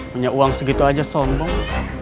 punya uang segitu aja sombong